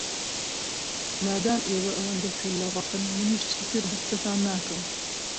مادام ئێوە ئەوەندە کەللەڕەقن، منیش چیتر بە قسەتان ناکەم.